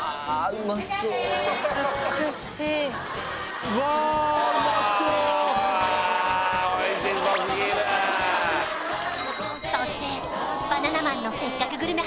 うまそう美しいそして「バナナマンのせっかくグルメ！！